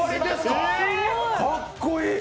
かっこいい！